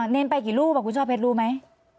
เนรไปกี่รูปคุณช่อเพชรรู้ไหม